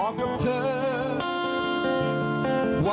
โรงพิเศษกับคุณ